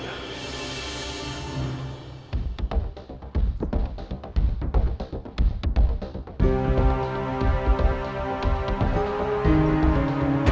tidak pak mandor